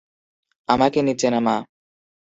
আমাকে নিচে নামা!